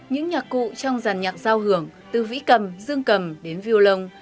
những nhà cụ trong giàn nhạc giao hưởng từ vĩ cầm dương cầm đến viêu lồng